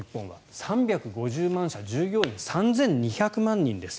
３５０万社従業員３２００万人です。